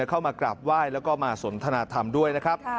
เข้ามากราบไหว้แล้วก็มาสนทนาธรรมด้วยนะครับ